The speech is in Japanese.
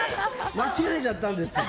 間違えちゃったんです。